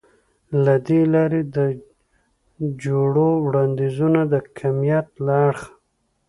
له دې لارې د جوړو وړاندیزونه د کمیت له اړخه